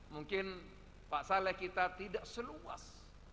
mungkin pak saleh kita tidak seluas